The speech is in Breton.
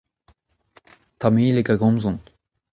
Tamileg a gomzont.